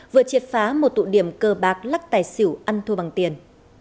vừa triệt phá một tụ điểm cờ bạc lắc tài xỉu ăn thua bằng tiền